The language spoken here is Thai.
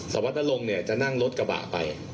สวัสดิ์นารงเนี่ยจะนั่งรถกระบะไป